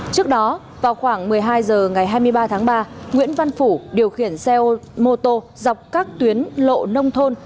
trước đó vào khoảng một mươi hai h ngày hai mươi ba tháng ba nguyễn văn phủ điều khiển xe mô tô dọc các tuyến lộ nông thôn